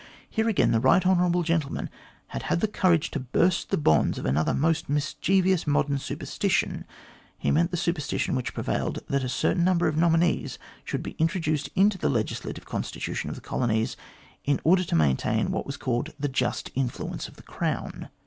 Here, again, the right hon. gentleman had had the courage to burst the bonds of another most mischievous modern superstition he meant the superstition which prescribed that a certain number of nominees should be introduced into the legislative constitutions of the colonies, in order to maintain what was called the just influence of the Crown.